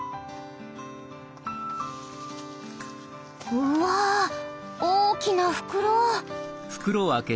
うわぁ大きな袋！